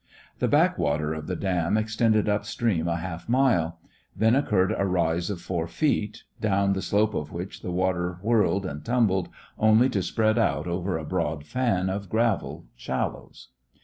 The backwater of the dam extended up stream a half mile; then occurred a rise of four feet, down the slope of which the water whirled and tumbled, only to spread out over a broad fan of gravel shallows.